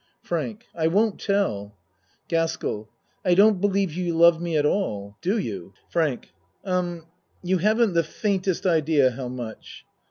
FRANK I won't tell. GASKELL I don't believe you love me at all. Do you? FRANK Um you haven't the faintest idea how much.